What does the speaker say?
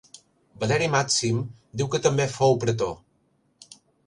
Valeri Màxim diu que també fou pretor.